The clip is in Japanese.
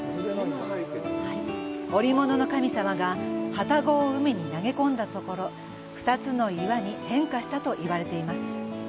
織物の神様がハタゴを海に投げ込んだところ二つの岩に変化したと言われています。